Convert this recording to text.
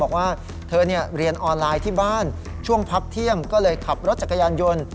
บอกว่าเธอเรียนออนไลน์ที่บ้านช่วงพักเที่ยงก็เลยขับรถจักรยานยนต์